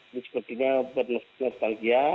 ini sepertinya bernostalgia